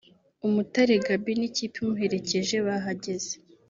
Umutare Gaby n'ikipe imuherekeje bahageze